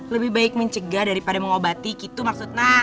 lebih baik mencegah daripada mengobati gitu maksudnya